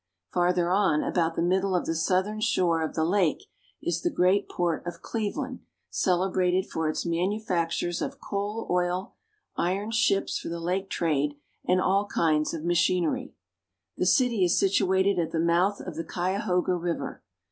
Farther on, about the middle of the southern shore of the lake, is the great port of Cleveland, celebrated for its manu factures of coal oil, iron ships for the lake trade, and all kinds of machinery. The city is situated at the mouth of the Cuyahoga River.